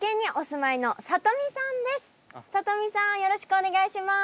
よろしくお願いします。